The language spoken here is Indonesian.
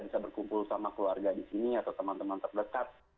bisa berkumpul sama keluarga di sini atau teman teman terdekat